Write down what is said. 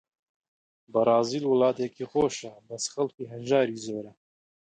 بەرازیل وڵاتێکی خۆشە، بەس خەڵکی هەژاری زۆرە